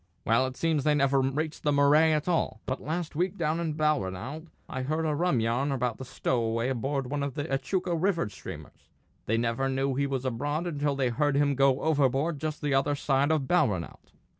Well, it seems they never reached the Murray at all; but last week down in Balranald I heard a rum yarn about a stowaway aboard one of the Echuca river steamers; they never knew he was aboard until they heard him go overboard just the other side of Balranald.